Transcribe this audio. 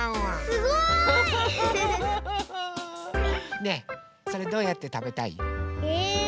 すごい！ねえそれどうやってたべたい？え？